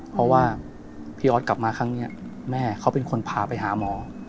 เพราะว่าพี่ออสกลับมาครั้งนี้แม่เขาเป็นคนพาไปหาหมอ